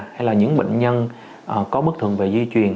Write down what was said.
hay là những bệnh nhân có bất thường về di truyền